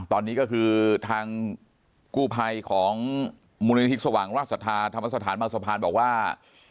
ตอนนี้ก็คือทางกู้ไพบุญธิสวังราชสถาธรมสถานมาสภารบอกว่า